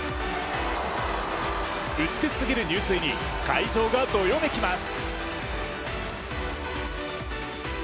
美しすぎる入水に会場がどよめきます。